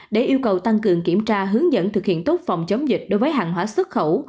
để yêu cầu tăng cường kiểm tra hướng dẫn thực hiện tốt phòng chống dịch đối với hàng hóa xuất khẩu